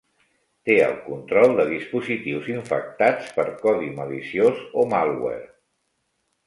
Té el control de dispositius infectats per codi maliciós o malware.